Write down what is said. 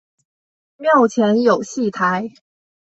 庙前有戏台。